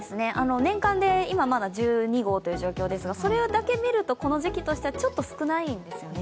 年間で今、まだ１２号という状況ですが、それだけ見るとこの時期としてはちょっと少ないんですよね。